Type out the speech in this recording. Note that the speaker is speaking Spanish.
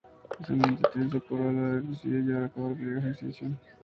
En un ambiente tenso, Carola, decidió llevar a cabo la peligrosa exhibición.